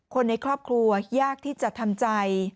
คนในครอบครัวยากที่จะทำใจ